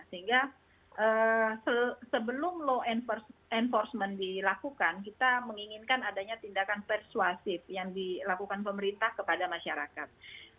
sehingga sebelum law enforcement dilakukan kita menginginkan adanya tindakan persuasif yang dilakukan pemerintah kepada masyarakat